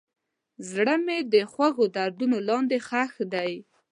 زړه مې د خوږو دردونو لاندې ښخ دی.